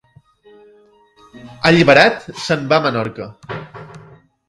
Alliberat, se'n va a Menorca.